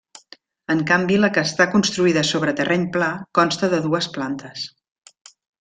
En canvi la que està construïda sobre terreny pla consta de dues plantes.